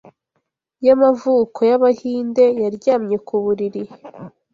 y'amavuko y'Abahinde, Yaryamye ku buriri